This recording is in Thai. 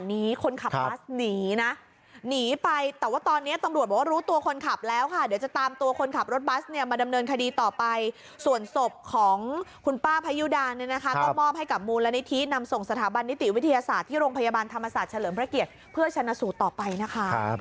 ไม่ได้หรอกหนีโป๊ะไม่ได้หรอก